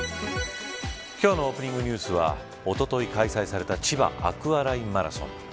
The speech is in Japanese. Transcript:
今日のオープニングニュースはおととい開催された千葉アクアラインマラソン。